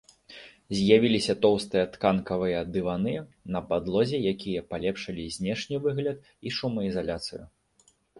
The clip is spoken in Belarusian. З'явіліся тоўстыя тканкавыя дываны на падлозе, якія палепшылі знешні выгляд і шумаізаляцыю.